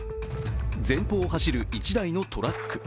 前方を走る一台のトラック。